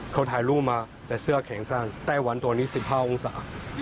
เขาถ่ายรูปมาแต่เสื้อแขนสั้นไต้หวันตัวนี้๑๕องศา